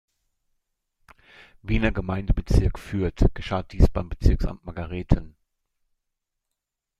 Wiener Gemeindebezirk führt, geschah dies beim Bezirksamt Margareten.